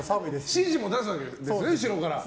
指示も出すわけですよね後ろから。